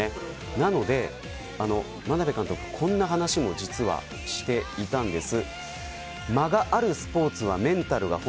なので、眞鍋監督こんな話も実はしていたんです。